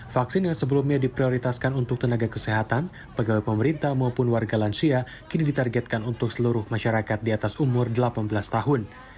vaksin yang sebelumnya diprioritaskan untuk tenaga kesehatan pegawai pemerintah maupun warga lansia kini ditargetkan untuk seluruh masyarakat di atas umur delapan belas tahun